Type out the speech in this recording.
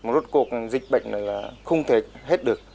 rốt cuộc dịch bệnh là không thể hết được